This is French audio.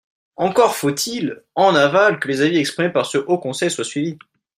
Encore faut-il, en aval, que les avis exprimés par ce Haut conseil soient suivis.